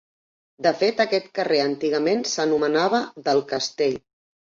De fet aquest carrer antigament s'anomenava del castell.